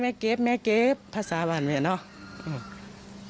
แม่เก็บแม่เก็บภาษาบาลแม่เนอะ